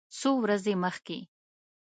څو ورځې مخکې